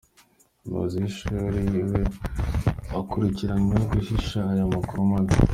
Umuyobozi w’Ishuri we akurikiranyweho guhishira aya makuru mabi